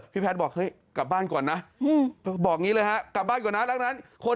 พี่แพทย์บอกเฮ้ยกลับบ้านก่อนนะ